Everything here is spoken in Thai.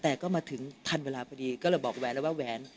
แต่ก็มาถึงทันเวลาพอดีก็เลยบอกแหวนแล้วว่าแหวน